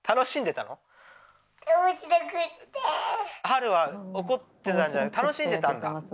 晴は怒ってたんじゃなくて楽しんでたんだ。